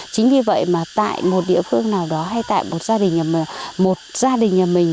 chính vì vậy mà tại một địa phương nào đó hay tại một gia đình nhà mình